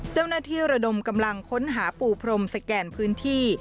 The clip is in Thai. เจ้าหน้าที่ระดมกำลังค้นหาปู่พรมสแกนพื้นที่